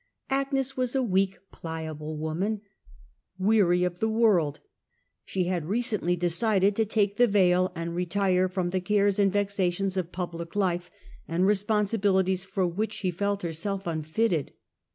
Agnes was a weak, pliable woman : weary of the world, she had recently decided to take the veil and retire from the cares and vexations of public life, and responsibilities for whicli she felt herself unfitted.